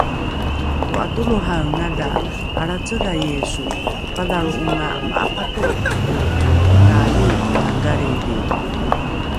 To'atolohaengadha, alracedha Yisu padhalro'onga ma'apato'oto'o ta iikinga Galrilri